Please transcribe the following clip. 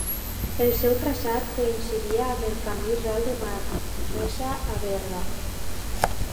El seu traçat coincidia amb el camí Ral de Manresa a Berga.